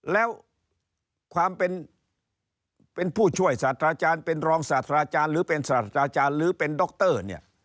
แล้วความเป็นผู้ช่วยศาสตราจารย์เป็นรองศาสตราจารย์หรือเป็นศาสตราจารย์หรือเป็นดรเนี่ย